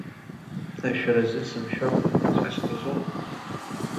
Ашәаразы сымшәакәа, сара сгаӡоума.